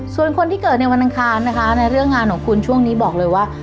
ส่วนคนที่เกิดในวันอังคารนะคะในเรื่องงานของคุณช่วงนี้บอกเลยว่า